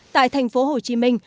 tại thành phố hồ chí minh